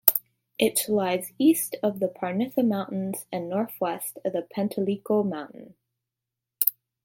It lies east of the Parnitha mountains and northwest of the Penteliko Mountain.